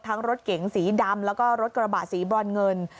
รถเก๋งสีดำแล้วก็รถกระบะสีบรอนเงิน